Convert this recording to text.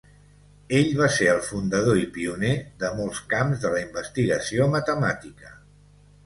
Ell va ser el fundador i pioner de molts camps de la investigació matemàtica.